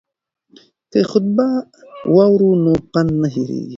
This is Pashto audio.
که خطبه واورو نو پند نه هیریږي.